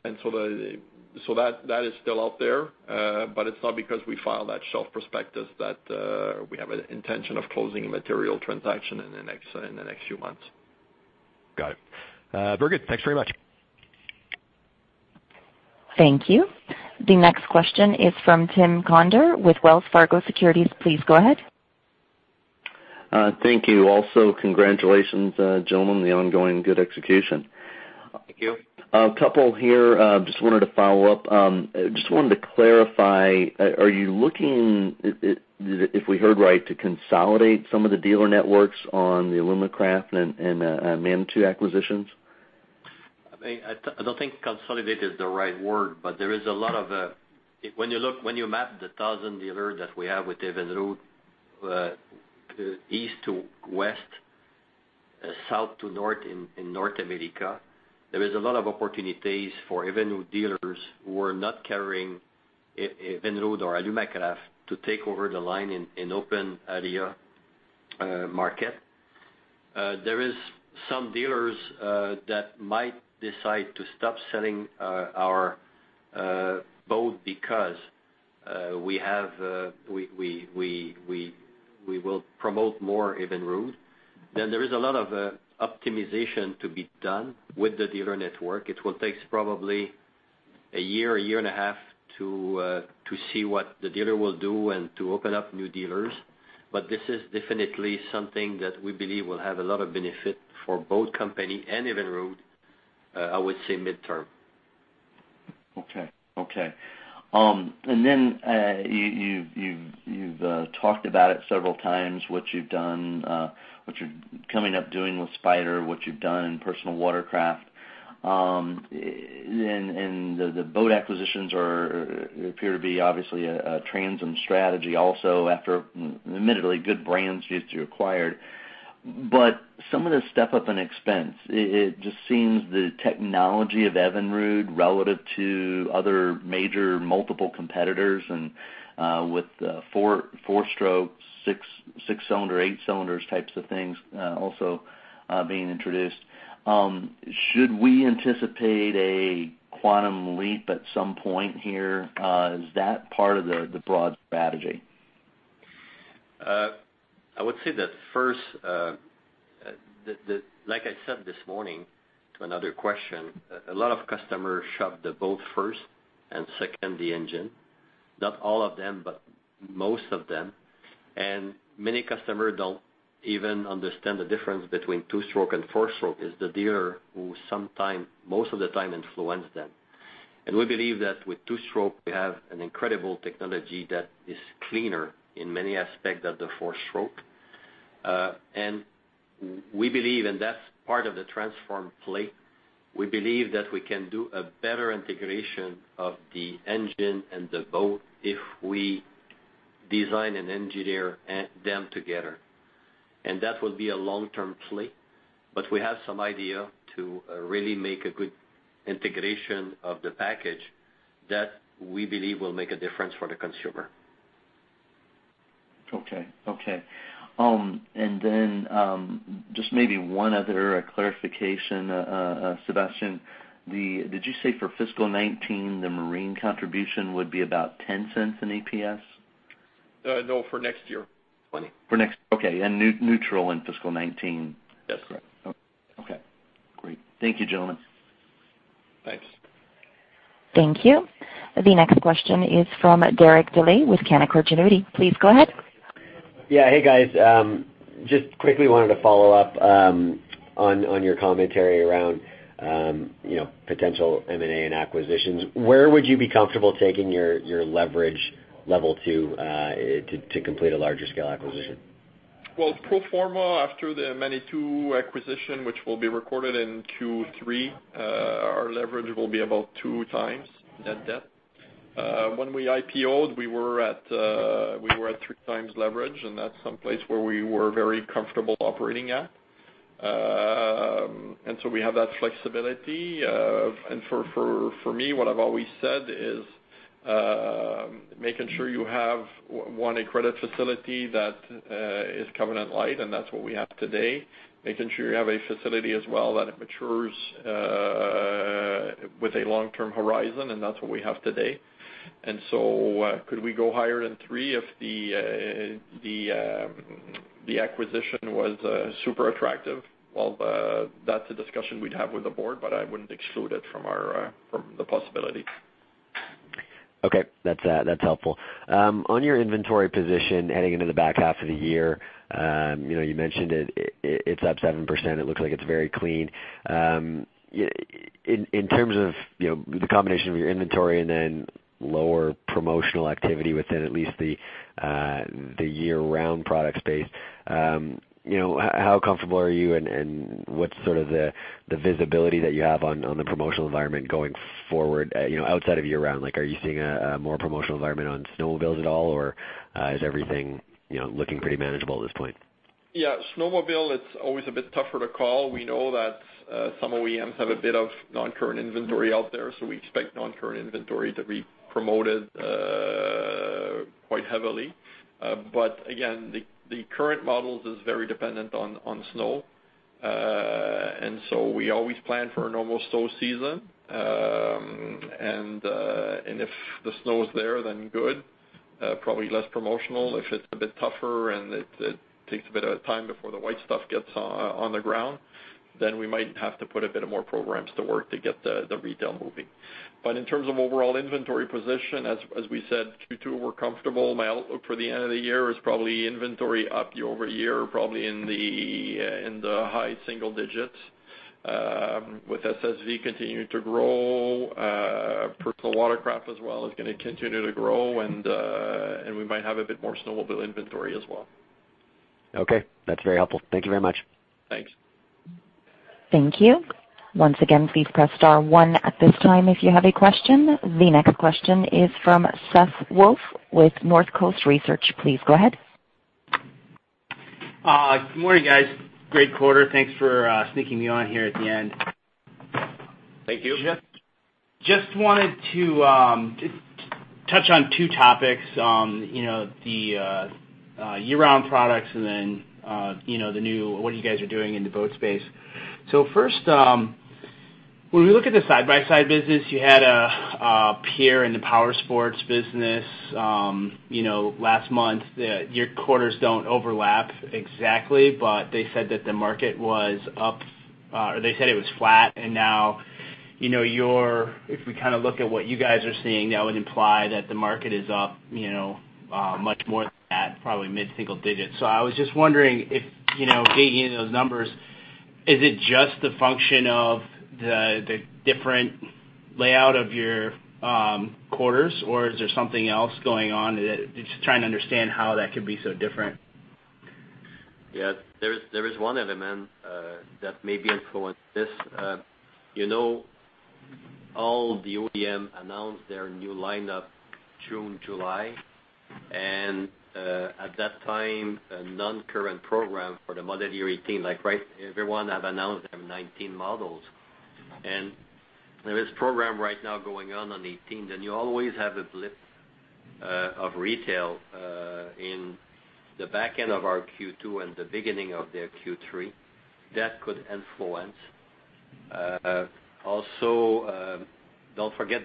is still out there. It's not because we filed that shelf prospectus that we have an intention of closing a material transaction in the next few months. Got it. Very good. Thanks very much. Thank you. The next question is from Tim Conder with Wells Fargo Securities. Please go ahead. Thank you. Congratulations, gentlemen, on the ongoing good execution. Thank you. A couple here. Just wanted to follow up. Just wanted to clarify, are you looking, if we heard right, to consolidate some of the dealer networks on the Alumacraft and Manitou acquisitions? I don't think consolidate is the right word. When you map the 1,000 dealers that we have with Evinrude, east to west, south to north in North America, there is a lot of opportunities for Evinrude dealers who are not carrying Evinrude or Alumacraft to take over the line in open area market. There is some dealers that might decide to stop selling our boat because We will promote more Evinrude. There is a lot of optimization to be done with the dealer network. It will take probably a year, a year and a half to see what the dealer will do and to open up new dealers. This is definitely something that we believe will have a lot of benefit for both company and Evinrude, I would say midterm. Okay. You've talked about it several times, what you're coming up doing with Spyder, what you've done in personal watercraft. The boat acquisitions appear to be obviously a transom strategy also after admittedly good brands you've acquired. Some of the step up in expense, it just seems the technology of Evinrude relative to other major multiple competitors and with four-stroke, six-cylinder, eight-cylinders types of things also being introduced. Should we anticipate a quantum leap at some point here? Is that part of the broad strategy? I would say that first, like I said this morning to another question, a lot of customers shop the boat first and second the engine. Not all of them, but most of them. Many customers don't even understand the difference between two-stroke and four-stroke. It's the dealer who most of the time influence them. We believe that with two-stroke, we have an incredible technology that is cleaner in many aspects than the four-stroke. We believe, and that's part of the transforming the fleet, we believe that we can do a better integration of the engine and the boat if we design and engineer them together. That will be a long-term fleet, but we have some idea to really make a good integration of the package that we believe will make a difference for the consumer. Okay. Then just maybe one other clarification, Sébastien. Did you say for fiscal 2019, the marine contribution would be about 0.10 in EPS? No, for next year, 2020. For next, okay, neutral in fiscal 2019. That's correct. Okay, great. Thank you, gentlemen. Thanks. Thank you. The next question is from Derek Dley with Canaccord Genuity. Please go ahead. Yeah. Hey, guys. Just quickly wanted to follow up on your commentary around potential M&A and acquisitions. Where would you be comfortable taking your leverage level to complete a larger scale acquisition? Pro forma, after the Manitou acquisition, which will be recorded in Q3, our leverage will be about two times net debt. When we IPO'd, we were at three times leverage, and that's someplace where we were very comfortable operating at. We have that flexibility. For me, what I've always said is, making sure you have, one, a credit facility that is covenant light, and that's what we have today. Making sure you have a facility as well that it matures with a long-term horizon, and that's what we have today. Could we go higher than three if the acquisition was super attractive? That's a discussion we'd have with the board, but I wouldn't exclude it from the possibility. Okay. That's helpful. On your inventory position heading into the back half of the year, you mentioned it's up 7%, it looks like it's very clean. In terms of the combination of your inventory and then lower promotional activity within at least the year-round product space, how comfortable are you and what's sort of the visibility that you have on the promotional environment going forward outside of year round? Are you seeing a more promotional environment on snowmobiles at all, or is everything looking pretty manageable at this point? Yeah. Snowmobile, it's always a bit tougher to call. We know that some OEMs have a bit of non-current inventory out there, so we expect non-current inventory to be promoted quite heavily. The current models is very dependent on snow. We always plan for a normal snow season. If the snow is there, then good, probably less promotional. If it's a bit tougher and it takes a bit of time before the white stuff gets on the ground, then we might have to put a bit of more programs to work to get the retail moving. In terms of overall inventory position, as we said, Q2, we're comfortable. My outlook for the end of the year is probably inventory up year-over-year, probably in the high single digits, with SSV continuing to grow. Personal watercraft as well is going to continue to grow and we might have a bit more snowmobile inventory as well. Okay. That's very helpful. Thank you very much. Thanks. Thank you. Once again, please press star one at this time if you have a question. The next question is from Seth Woolf with Northcoast Research. Please go ahead. Good morning, guys. Great quarter. Thanks for sneaking me on here at the end. Thank you. Just wanted to touch on two topics. The year-round products and then, the new, what you guys are doing in the boat space. first When we look at the Side-by-Side business, you had a peer in the powersports business last month. Your quarters don't overlap exactly, they said that the market was flat. Now, if we look at what you guys are seeing, that would imply that the market is up much more than that, probably mid-single digits. I was just wondering if, gating in those numbers, is it just the function of the different layout of your quarters, or is there something else going on? Just trying to understand how that could be so different. Yes. There is one element that may be influencing this. All the OEM announced their new lineup June, July. At that time, a non-current program for the model year 2018. Everyone have announced their 2019 models. There is program right now going on on 2018, then you always have a blip of retail in the back end of our Q2 and the beginning of their Q3. That could influence. Also, don't forget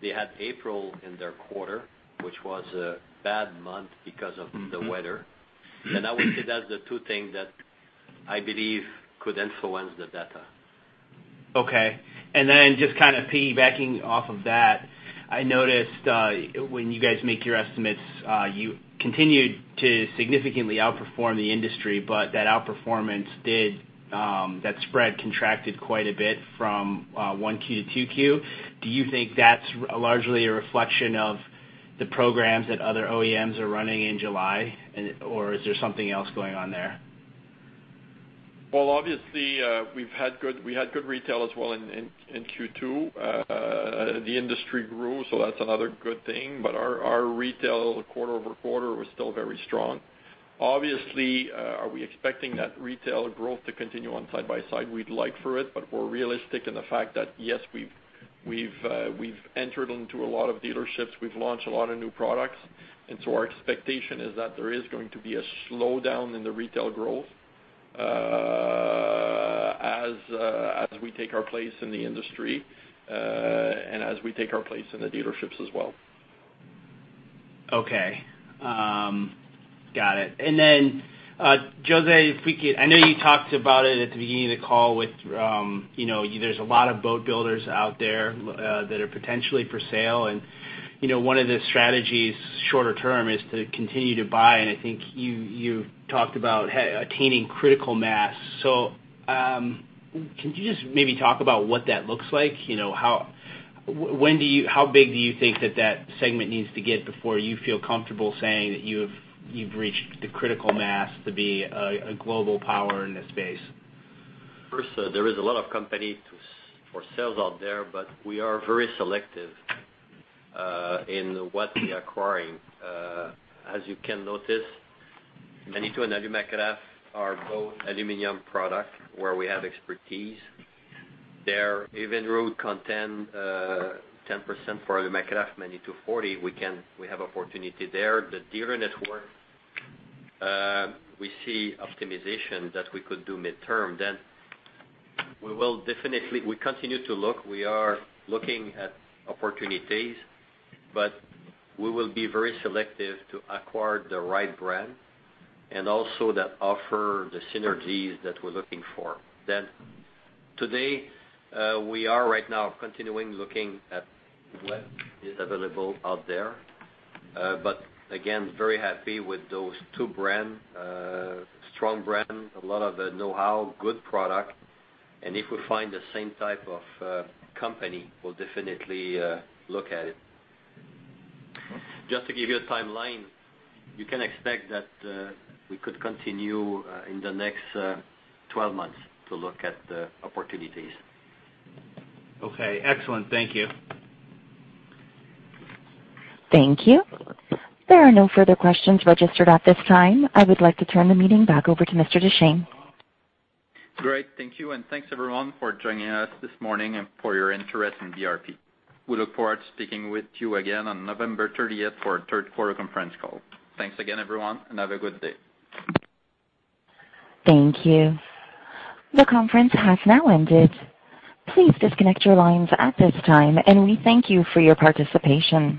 they had April in their quarter, which was a bad month because of the weather. I would say that's the two things that I believe could influence the data. Okay. Just piggybacking off of that, I noticed when you guys make your estimates, you continued to significantly outperform the industry, but that outperformance, that spread contracted quite a bit from 1Q to 2Q. Do you think that's largely a reflection of the programs that other OEMs are running in July? Is there something else going on there? Well, obviously, we've had good retail as well in Q2. The industry grew, that's another good thing. Our retail quarter-over-quarter was still very strong. Obviously, are we expecting that retail growth to continue on Side-by-Side? We'd like for it, we're realistic in the fact that, yes, we've entered into a lot of dealerships, we've launched a lot of new products, our expectation is that there is going to be a slowdown in the retail growth as we take our place in the industry, and as we take our place in the dealerships as well. Okay. Got it. José, I know you talked about it at the beginning of the call with there's a lot of boat builders out there that are potentially for sale, and one of the strategies shorter term is to continue to buy, and I think you talked about attaining critical mass. Can you just maybe talk about what that looks like? How big do you think that that segment needs to get before you feel comfortable saying that you've reached the critical mass to be a global power in this space? First, there is a lot of company for sales out there, we are very selective in what we are acquiring. As you can notice, Manitou and Alumacraft are both aluminum product where we have expertise. Their Evinrude content, 10% for Alumacraft, Manitou 40%, we have opportunity there. The dealer network, we see optimization that we could do midterm. We continue to look. We are looking at opportunities, we will be very selective to acquire the right brand, and also that offer the synergies that we're looking for. Today, we are right now continuing looking at what is available out there. Very happy with those two brand, strong brand, a lot of the knowhow, good product, and if we find the same type of company, we'll definitely look at it. Just to give you a timeline, you can expect that we could continue in the next 12 months to look at the opportunities. Okay, excellent. Thank you. Thank you. There are no further questions registered at this time. I would like to turn the meeting back over to Mr. Deschênes. Great. Thank you, and thanks, everyone, for joining us this morning and for your interest in BRP. We look forward to speaking with you again on November 30th for our third quarter conference call. Thanks again, everyone, and have a good day. Thank you. The conference has now ended. Please disconnect your lines at this time, and we thank you for your participation.